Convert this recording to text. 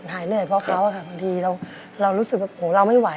หายเหนื่อยเพราะเขาอะค่ะบางทีเรารู้สึกว่าโหเราไม่ไหว